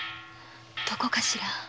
どこかしら？